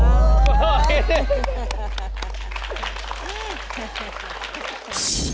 ผิดครับ